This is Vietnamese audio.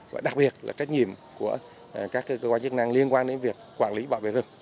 và đặc biệt là trách nhiệm của các cơ quan chức năng liên quan đến việc quản lý bảo vệ rừng